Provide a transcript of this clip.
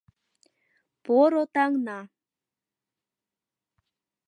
Поро таҥна.